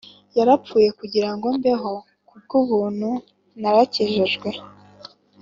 yarapfuye kugira ngo mbeho ku bw'ubuntu, narakijijwe